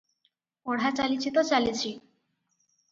ପଢ଼ା ଚାଲିଛି ତ ଚାଲିଛି ।